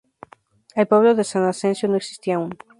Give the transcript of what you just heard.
El pueblo de San Asensio no existía aún.